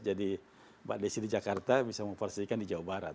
jadi mbak desi di jakarta bisa mempersisikan di jawa barat